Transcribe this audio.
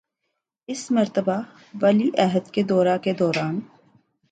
اس مرتبہ ولی عہد کے دورہ کے دوران